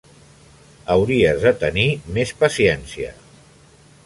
Hauries de tenir més paciència.